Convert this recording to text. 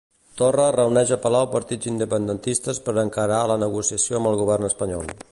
Torra reuneix a palau partits independentistes per encarar la negociació amb el govern espanyol.